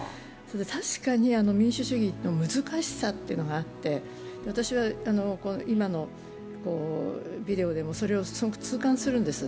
確かに民主主義というのは難しさというのがあって、私は、今のビデオでもそれを痛感するんです。